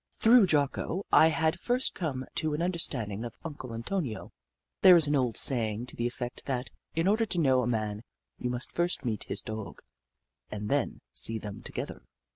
Through Jocko I had first come to an un derstanding of Uncle Antonio. There is an old saying to the effect that, in order to know a man, you must first meet his Dog, and then see them together.